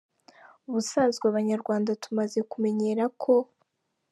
Ubusanzwe abanyarwanda tumaze kumenyera ko .